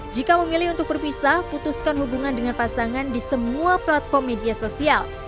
jika memilih untuk berpisah putuskan hubungan dengan pasangan di semua platform media sosial